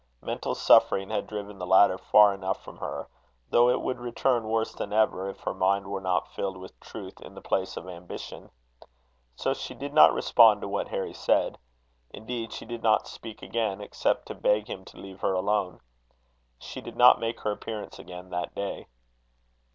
Mental suffering had driven the latter far enough from her; though it would return worse than ever, if her mind were not filled with truth in the place of ambition. So she did not respond to what Harry said. Indeed, she did not speak again, except to beg him to leave her alone. She did not make her appearance again that day.